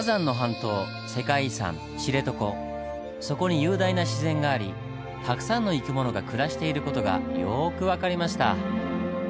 そこに雄大な自然がありたくさんの生き物が暮らしている事がよく分かりました。